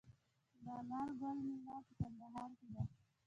د انار ګل میله په کندهار کې ده.